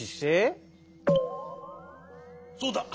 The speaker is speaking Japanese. そうだ。